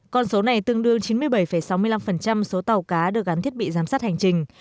con số này tương đương chín mươi bảy sáu mươi năm số tàu cá được gắn thiết bị giám sát hành trình